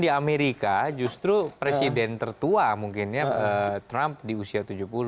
di amerika justru presiden tertua mungkin ya trump di usia tujuh puluh